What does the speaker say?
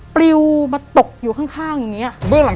ปลิวมาตกอยู่ข้างอย่างนี้